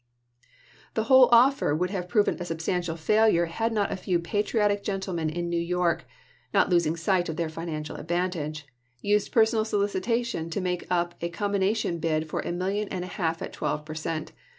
The whole offer would have proven a substantial failure had not a few patriotic gentlemen in New York (not losing sight of their financial advantage) used personal solicitation to make up a combina tion bid for a million and a half at twelve per cent.